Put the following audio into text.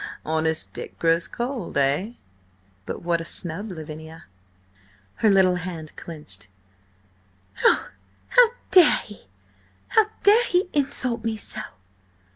"Honest Dick grows cold, eh? But what a snub, Lavinia!" Her little hand clenched. "Oh, how dare he! How dare he insult me so?"